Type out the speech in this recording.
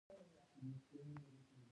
آیا زموږ تاریخ به ویاړلی وي؟